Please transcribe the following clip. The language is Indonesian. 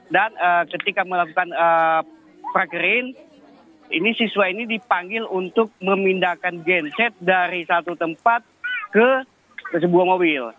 dan ketika melakukan prakrin siswa ini dipanggil untuk memindahkan genset dari satu tempat ke sebuah mobil